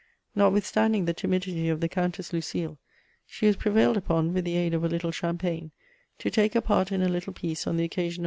Notwithstanding the timidity of the Countess Lucile, she was prevailed upon, with the aid of a little Champagne, to take a part in a little piece on the occasion of M.